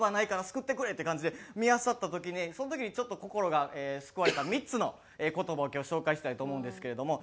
救ってくれ！って感じで見あさった時にその時にちょっと心が救われた３つの言葉を今日紹介したいと思うんですけれども。